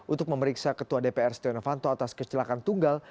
untuk memeriksa ketua dpr setia novanto atas kecelakaan tunggal